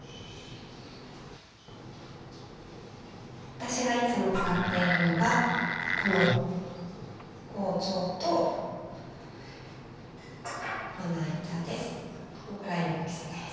私がいつも使っているのがこの包丁とまな板です。